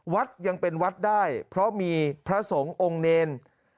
วัดยังเป็นวัดได้เพราะมีพระสงฆ์องค์เนร